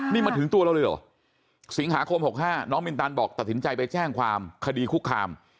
นี่มาถึงตัวเราเลยเหรอสิงหาคม๖๕น้องมินตันบอกตัดสินใจไปแจ้งความคดีคุกคาม